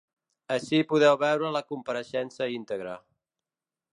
Ací podeu veure la compareixença íntegra.